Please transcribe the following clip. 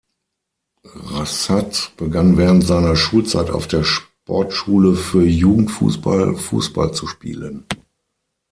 Rəşad begann während seiner Schulzeit auf der Sportschule für Jugendfußball, Fußball zu spielen.